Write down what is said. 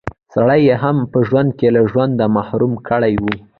سړی يې هم په ژوند کښې له ژونده محروم کړی وي